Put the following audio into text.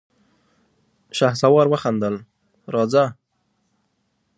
شهسوار وخندل: راځه!